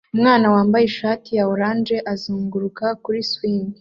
Umwana wambaye ishati ya orange azunguruka kuri swing